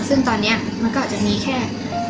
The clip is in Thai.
ซึ่งตอนนี้มันก็อาจจะมีแค่